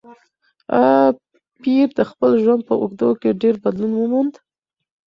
ایا پییر د خپل ژوند په اوږدو کې ډېر بدلون وموند؟